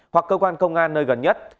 hoặc cơ quan công an nơi gần nhất